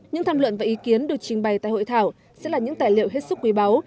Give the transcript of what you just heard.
những tham luận và ý kiến được trình bày tại hội thảo sẽ là những tài liệu hết sức quý báu